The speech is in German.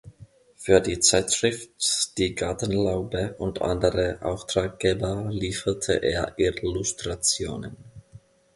Für die Zeitschrift "Die Gartenlaube" und andere Auftraggeber lieferte er Illustrationen.